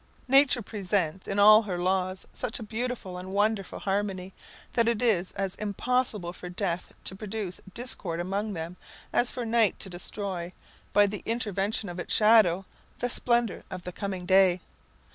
Nature presents in all her laws such a beautiful and wonderful harmony, that it is as impossible for death to produce discord among them, as for night to destroy, by the intervention of its shadow, the splendour of the coming day.